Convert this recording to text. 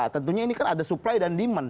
tentunya ini kan ada supply dan demand